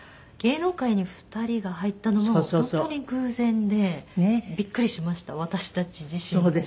芸能界に２人が入ったのも本当に偶然でびっくりしました私たち自身も。